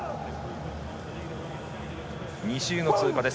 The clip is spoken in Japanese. ２周の通過です。